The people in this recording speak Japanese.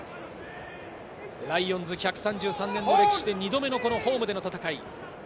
ライオンズ１３３年の歴史で２度目のホームでの戦い。